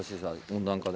温暖化で。